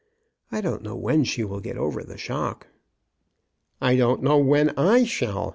I don't know when she will get over the shock." " I don't know when I shall.